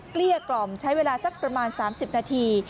เกลี้ยกล่อมใช้เวลาสักประมาณ๓๐นาที